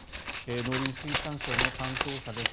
農林水産省の担当者です。